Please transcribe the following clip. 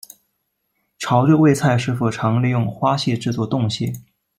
潮洲味菜师傅常利用花蟹制作冻蟹。